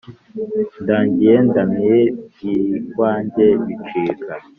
«ndagiye ndamiye iby'iwanjye bicika.